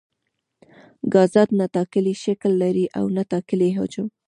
ګازات نه ټاکلی شکل لري او نه ټاکلی حجم.